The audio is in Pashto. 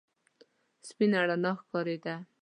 سپينه رڼا ښکارېده.